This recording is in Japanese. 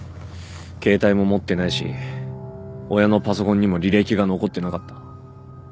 携帯も持ってないし親のパソコンにも履歴が残ってなかった。